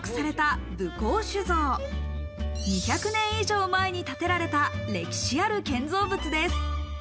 以上前に建てられた歴史ある建造物です。